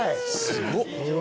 すごっ。